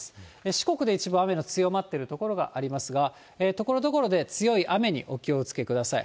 四国で一部雨が強まっている所がありますが、ところどころで強い雨にお気をつけください。